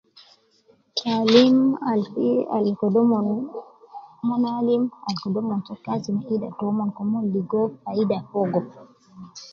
Taalim al fi al kede omon alim al kede omon katin kila tomon , ke mon ligo faida fogo